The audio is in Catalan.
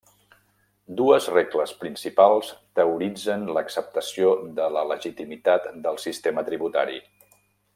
Dues regles principals teoritzen l'acceptació de la legitimitat del sistema tributari.